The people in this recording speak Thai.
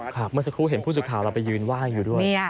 เมื่อสักครู่เห็นผู้สื่อข่าวเราไปยืนไหว้อยู่ด้วย